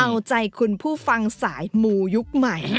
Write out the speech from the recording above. เอาใจคุณผู้ฟังสายมูยุคใหม่